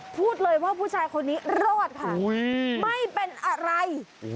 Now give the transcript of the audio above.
พูดเลยว่าผู้ชายคนนี้รอดค่ะไม่เป็นอะไร